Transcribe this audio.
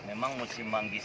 memang musim manggis